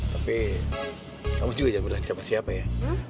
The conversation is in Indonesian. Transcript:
tapi kamu juga jangan bilang siapa siapa ya